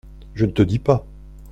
Je ne te dis pas !…